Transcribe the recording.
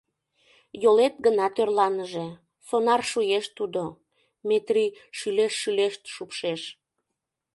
— Йолет гына тӧрланыже, сонар шуэш тудо, — Метрий шӱлешт-шӱлешт шупшеш.